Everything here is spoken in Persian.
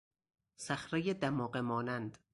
صخرهی دماغه مانند